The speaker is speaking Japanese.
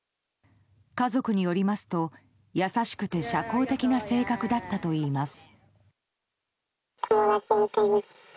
家族によりますと、優しくて社交的な性格だったといいます。